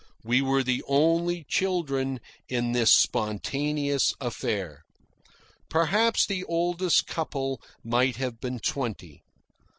We were the only children in this spontaneous affair. Perhaps the oldest couple might have been twenty.